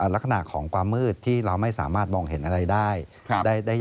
ลักษณะของความมืดที่เราไม่สามารถมองเห็นอะไรได้